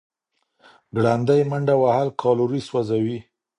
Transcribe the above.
ګړندۍ منډه وهل کالوري سوځوي.